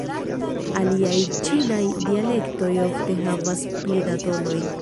Aliaj ĉinaj dialektoj ofte havas pli da tonoj.